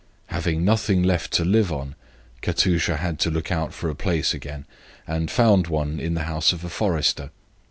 Having nothing left to live on, Katusha had to look out for a place again, and found one in the house of a forester.